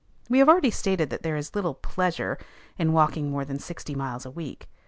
We have already stated that there is little pleasure in walking more than sixty miles a week.